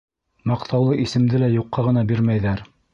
Маҡтаулы исемде лә юҡҡа ғына бирмәйҙәр.